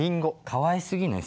かわいすぎない？